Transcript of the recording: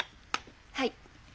はい。